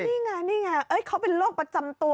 นี่ไงนี่ไงเขาเป็นโรคประจำตัว